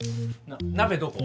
鍋どこ？